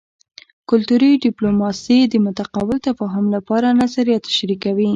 کلتوري ډیپلوماسي د متقابل تفاهم لپاره نظریات شریکوي